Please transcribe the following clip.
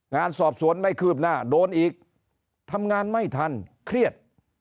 งานสอบสวนไม่คืบหน้าโดนอีกทำงานไม่ทันเครียด